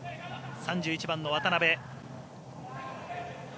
３１番の渡辺。